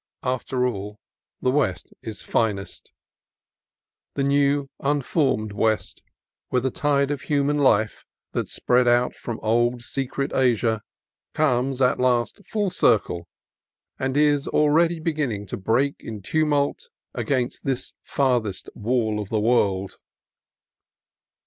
After all, the West is finest: the new, unformed West, where the tide of human life, that spread out from old, secret Asia, comes at last full circle, and is already beginning to break in tumult against this farthest Wall of the World.